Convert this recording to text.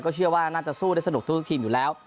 เชื่อว่าน่าจะสู้ได้สนุกทุกทีมอยู่แล้ว